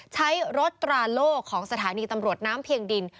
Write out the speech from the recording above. ใช้รถตราโล่ของสถานีตำรวจน้ำเพียงดิน